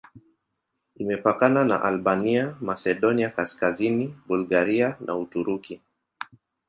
Imepakana na Albania, Masedonia Kaskazini, Bulgaria na Uturuki.